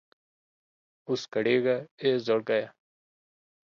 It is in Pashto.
اوس کړېږه اې زړګيه!